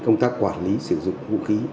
công tác quản lý sử dụng vũ khí